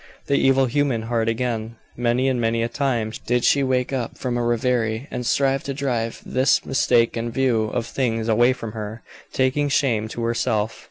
The evil human heart again. Many and many a time did she wake up from a reverie, and strive to drive this mistaken view of things away from her, taking shame to herself.